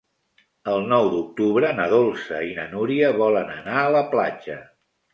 El nou d'octubre na Dolça i na Núria volen anar a la platja.